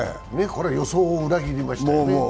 予想を裏切りましたよね。